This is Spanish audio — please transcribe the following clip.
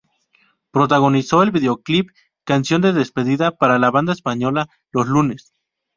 Protagonizó el videoclip, "Canción de despedida", para la banda española, Los lunes.